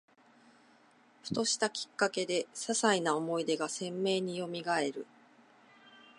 ふとしたきっかけで、ささいな思い出が鮮明によみがえる